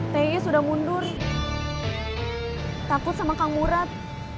ty sudah mundur takut sama kang murad